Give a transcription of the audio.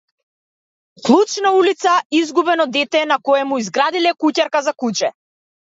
Клуч на улица, изгубен од дете на кое му изградиле куќарка за куче.